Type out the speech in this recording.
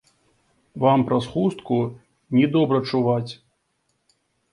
Вам праз хустку не добра чуваць.